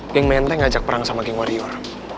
geng menteng ngajak perang sama geng warrior